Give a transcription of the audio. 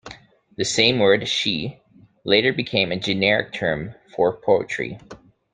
The same word "shi" later became a generic term for poetry.